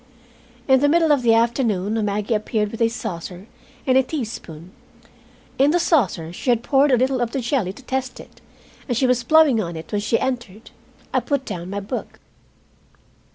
In the middle of the afternoon Maggie appeared, with a saucer and a teaspoon. In the saucer she had poured a little of the jelly to test it, and she was blowing on it when she entered. I put down my book.